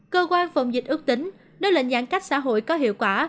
cơ quan phòng dịch ước tính đơn lệnh giãn cách xã hội có hiệu quả